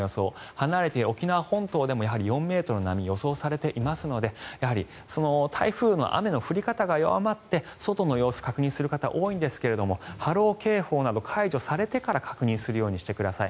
離れている沖縄本島でも４ｍの波が予想されていますので台風の雨の降り方が弱まって外の様子を確認する方が多いんですけども波浪警報など解除されてから確認するようにしてください。